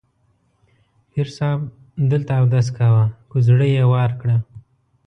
پیر صاحب دلته اودس کاوه، کوزړۍ یې وار کړه.